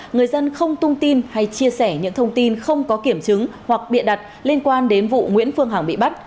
người dân không tung tin hay chia sẻ những thông tin không có kiểm chứng hoặc bịa đặt liên quan đến vụ nguyễn phương hằng bị bắt